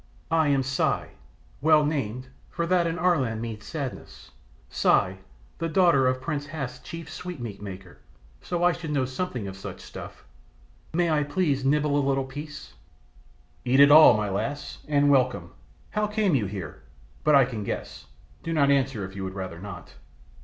I am Si, well named, for that in our land means sadness, Si, the daughter of Prince Hath's chief sweetmeat maker, so I should know something of such stuff. May I, please, nibble a little piece?" "Eat it all, my lass, and welcome. How came you here? But I can guess. Do not answer if you would rather not."